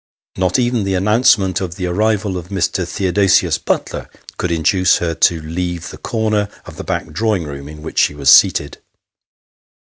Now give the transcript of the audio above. Not even the announce ment of the arrival of Mr. Theodosius Butler could induce her to leave the corner of the back drawing room in which she was seated.